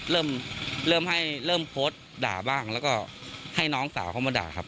เริ่มเริ่มให้เริ่มโพสต์ด่าบ้างแล้วก็ให้น้องสาวเขามาด่าครับ